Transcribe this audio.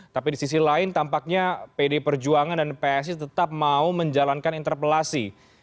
tapi di sisi lain tampaknya pd perjuangan dan psi tetap mau menjalankan interpelasi